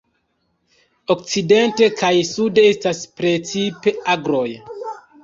Okcidente kaj sude estas precipe agroj.